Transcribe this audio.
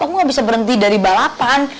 aku nggak bisa berhenti dari balapan